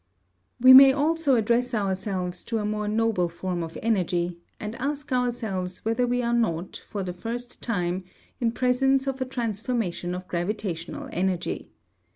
We may also address ourselves to a more noble form of energy, and ask ourselves whether we are not, for the first time, in presence of a transformation of gravitational energy.